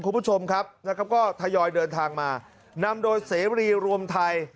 คุณผู้ชมครับนะครับก็ทยอยเดินทางมานำโดยเสรีรวมไทย